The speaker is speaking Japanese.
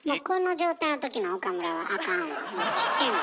あっ知ってんの。